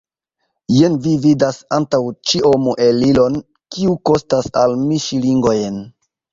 Jen vi vidas antaŭ ĉio muelilon, kiu kostas al mi ŝilingojn.